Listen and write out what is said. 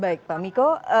baik pak miko